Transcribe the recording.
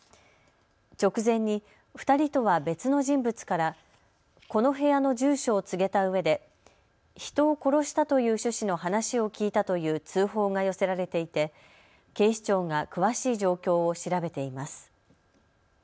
直前に２人とは別の人物からこの部屋の住所を告げたうえで人を殺したという趣旨の話を聞いたという通報が寄せられていて警視庁が詳しい状況を調べています。